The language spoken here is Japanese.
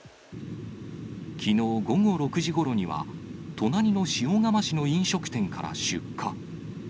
きのう午後６時ごろには、隣の塩釜市の飲食店から出火。